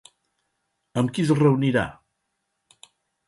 Amb qui es reunirà?